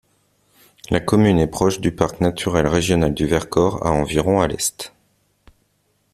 La commune est proche du parc naturel régional du Vercors à environ à l'est.